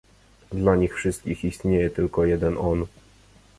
"Dla nich wszystkich istnieje tylko jeden „on“."